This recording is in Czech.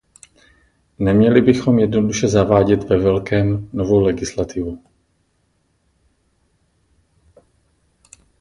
Neměli bychom jednoduše zavádět ve velkém novou legislativu.